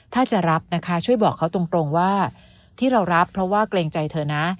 ถ้าจะรับนะคะช่วยบอกเขาตรงว่าที่เรารับเพราะว่าเกรงใจเธอนะ